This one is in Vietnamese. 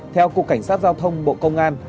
theo cục cảnh sát giao thông bộ công an